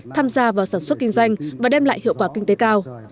tham gia vào sản xuất kinh doanh và đem lại hiệu quả kinh tế cao